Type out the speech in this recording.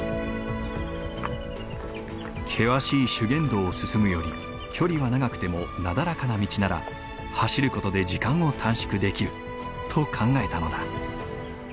険しい修験道を進むより距離は長くてもなだらかな道なら走る事で時間を短縮できる。と考えたのだ。